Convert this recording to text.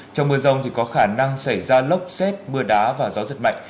trong mưa rông thì có khả năng xảy ra lốc xét mưa đá và gió rất mạnh